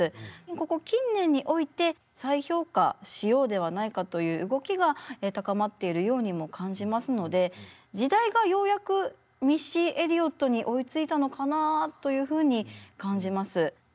ここ近年において再評価しようではないかという動きが高まっているようにも感じますので時代がようやくミッシー・エリオットに追いついたのかなというふうに感じます。